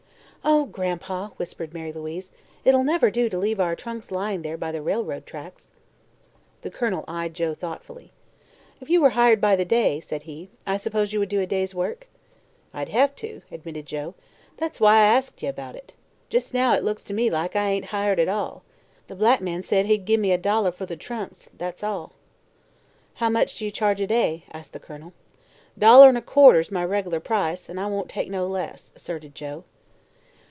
"Oh, Gran'pa!" whispered Mary Louise, "it'll never do to leave our trunks lying there by the railroad tracks." The Colonel eyed Joe thoughtfully. "If you were hired by the day," said he, "I suppose you would do a day's work?" "I'd hev to," admitted Joe. "That's why I 'asked ye how about it. Jes' now it looks to me like I ain't hired at all. The black man said he'd gimme a dollar fer the trunks, that's all." "How much do you charge a day?" asked the Colonel. "Dollar 'n' a quarter's my reg'lar price, an' I won't take no less," asserted Joe.